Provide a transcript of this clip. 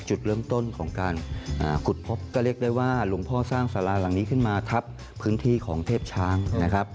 จุดเริ่มต้นของการขุดพบก็เรียกได้ว่าหลวงพ่อสร้างสาราหลังนี้ขึ้นมาทับพื้นที่ของเทพช้างนะครับ